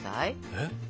えっ？